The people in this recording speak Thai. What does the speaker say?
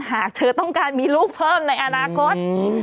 หากเธอต้องการมีลูกเพิ่มในอนาคต